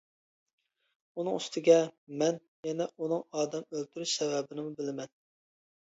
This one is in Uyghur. ئۇنىڭ ئۈستىگە، مەن يەنە ئۇنىڭ ئادەم ئۆلتۈرۈش سەۋەبىنىمۇ بىلىمەن.